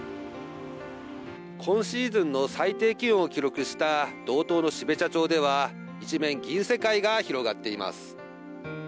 今シーズンの最低気温を記録した、道東の標茶町では、一面、銀世界が広がっています。